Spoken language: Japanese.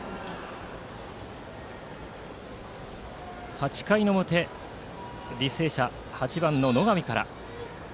８回の表、履正社の８番の野上から。